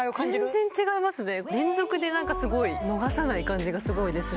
全然違いますね連続で逃さない感じがすごいですね